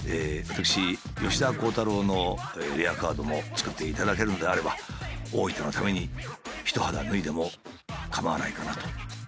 私吉田鋼太郎のレアカードも作っていただけるのであれば大分のために一肌脱いでもかまわないかなと。